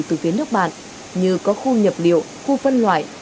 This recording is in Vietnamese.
từ phía nước bạn như có khu nhập liệu khu phân loại